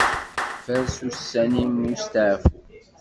Faṛes ussan-im n usteɛfu.